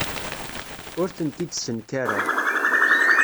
Ur tent-id-ssenkareɣ.